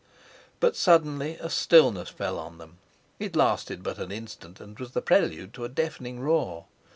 But suddenly a stillness fell on them; it lasted but an instant, and was the prelude to a deafening roar.